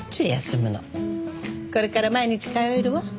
これから毎日通えるわ。